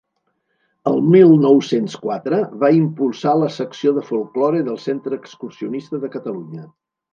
El mil nou-cents quatre va impulsar la secció de folklore del Centre Excursionista de Catalunya.